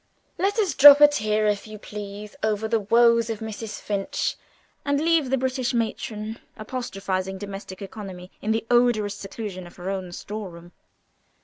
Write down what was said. Let us drop a tear, if you please, over the woes of Mrs. Finch, and leave the British matron apostrophizing domestic economy in the odorous seclusion of her own storeroom.